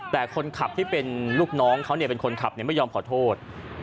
แต่คนขับที่เป็นลูกน้องเขาเป็นคนขับไม่ยอมขอโทษ